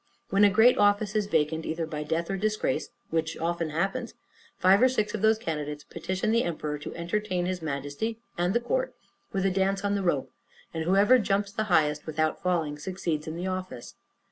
When a great office is vacant, either by death or disgrace (which often happens), five or six of those candidates petition the emperor to entertain his Majesty and the court with a dance on the rope, and whoever jumps the highest, without falling, succeeds in the office.